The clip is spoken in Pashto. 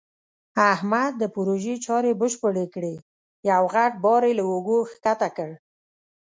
احمد د پروژې چارې بشپړې کړې. یو غټ بار یې له اوږو ښکته کړ.